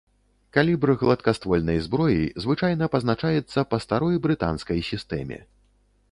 Калібр гладкаствольнай зброі звычайна пазначаецца па старой брытанскай сістэме.